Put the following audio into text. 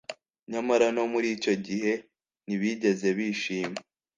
nyamara no muri icyo gihe ntibigeze bishima